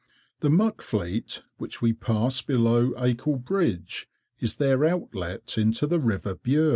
The Muck Fleet, which we passed below Acle Bridge, is their outlet into the river Bure.